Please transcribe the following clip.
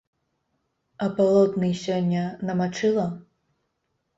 А палотны сёння намачыла?